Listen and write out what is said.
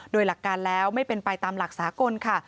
โดยหลักการแล้วไม่เป็นไปตามหลักสากลค่ะ